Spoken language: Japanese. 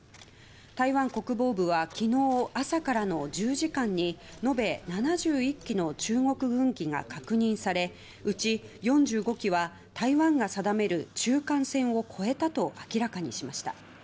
台湾国防部は昨日朝からの１０時間に延べ７１機の中国軍機が確認されうち４５機は台湾が定める中間線を越えたと明らかにしました。